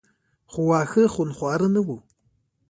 خو واښه خونخواره نه وو.